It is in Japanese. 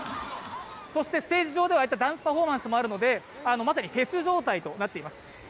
ステージ上ではダンスパフォーマンスもあるので、まさにフェス状態となっています。